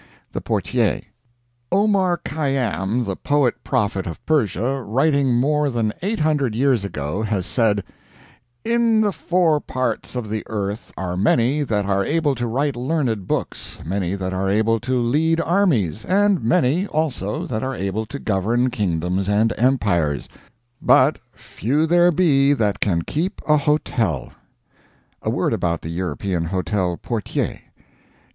The Portier Omar Khay'am, the poet prophet of Persia, writing more than eight hundred years ago, has said: "In the four parts of the earth are many that are able to write learned books, many that are able to lead armies, and many also that are able to govern kingdoms and empires; but few there be that can keep a hotel." A word about the European hotel PORTIER.